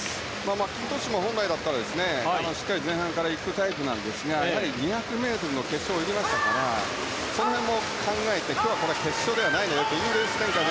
マッキントッシュも本来であれば前半から行くタイプなんですがやはり２００ｍの決勝を泳ぎましたからその辺も考えて今日のこれは決勝ではないので。